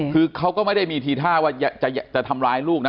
คือเขาก็ไม่ได้มีทีท่าว่าจะทำร้ายลูกนะ